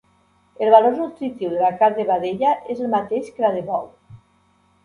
El valor nutritiu de la carn de vedella és el mateix que la de bou.